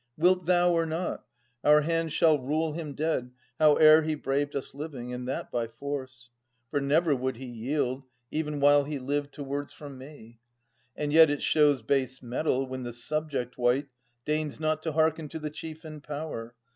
Wilt thou or not, our hand Shall rule him dead, howe'er he braved us living, And that by force; for never would he yield. Even while he lived, to words from me. And yet It shows base metal when the subject wight Deigns not to hearken to the chief in power.